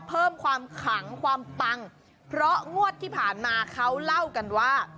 เพิ่มความขังความปังเพราะงวดที่ผ่านมาเขาเล่ากันว่า